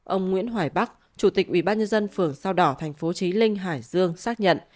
ông nguyễn hoài bắc chủ tịch ubnd phường sao đỏ tp chí linh hải dương xác nhận